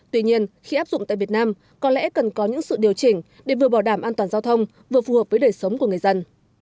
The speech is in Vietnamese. tuy nhiên khi áp dụng tại việt nam có lẽ cần có những sự điều chỉnh để vừa bảo đảm an toàn giao thông vừa phù hợp với đời sống của người dân